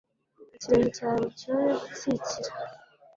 ikirenge cyawe cyoye gutsikira